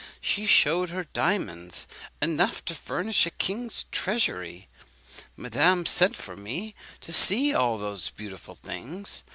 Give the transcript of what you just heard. He shewed her diamonds enough to furnish a king's treasury. Madame sent for me to see all those beautiful things.